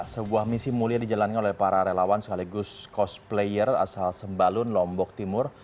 sebuah misi mulia dijalankan oleh para relawan sekaligus cosplayer asal sembalun lombok timur